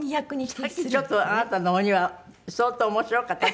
さっきちょっとあなたの鬼は相当面白かった。